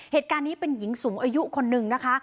เหตุการณ์นี้เป็นหญิงสูงอายุคนนึงนะคะ